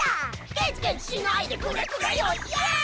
「ケチケチしないでくれくれよイエーイ」